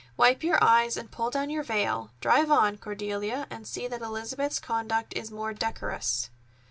Wipe your eyes and pull down your veil. Drive on, Cordelia, and see that Elizabeth's conduct is more decorous."